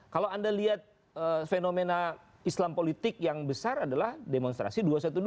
kalau anda lihat fenomena islam politik yang besar adalah demonstrasi dua ratus dua belas